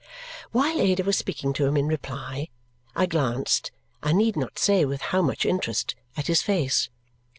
While Ada was speaking to him in reply, I glanced (I need not say with how much interest) at his face.